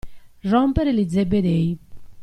Rompere gli zebedei.